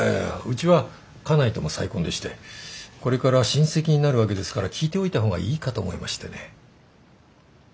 うちは家内とも再婚でしてこれから親戚になるわけですから聞いておいた方がいいかと思いましてね。